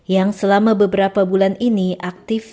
yang selama beberapa bulan ini aktif